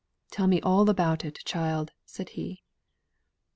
"Tell me all about it, child," said he.